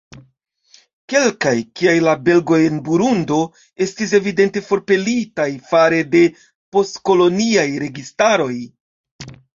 Kelkaj, kiaj la belgoj en Burundo, estis evidente forpelitaj fare de post-koloniaj registaroj.